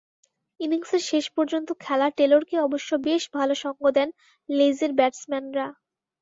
ইনিংসের শেষ পর্যন্ত খেলা টেলরকে অবশ্য বেশ ভালো সঙ্গ দেন লেজের ব্যাটসম্যানরা।